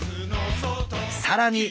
更に！